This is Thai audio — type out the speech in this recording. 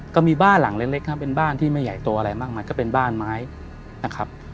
ก็มีบ้านหลังเล็กครับเป็นบ้านที่ไม่ใหญ่โตอะไรมากมายก็เป็นบ้านไม้นะครับ